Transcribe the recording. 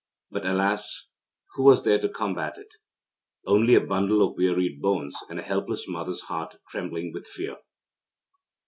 But, alas, who was there to combat it? Only a bundle of wearied bones and a helpless mother's heart trembling with fear.